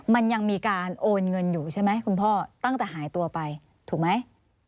มันยังมีการโอนเงินอยู่ใช่ไหมคุณพ่อตั้งแต่หายตัวไปถูกไหม